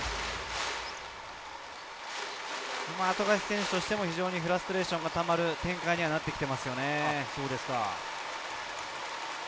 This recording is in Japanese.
富樫選手としてもフラストレーションがたまる展開になってきていますよね。